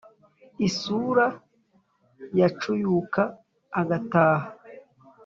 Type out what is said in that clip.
isura yacuyuka agataha.